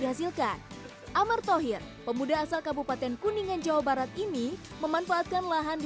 dihasilkan amar thohir pemuda asal kabupaten kuningan jawa barat ini memanfaatkan lahan di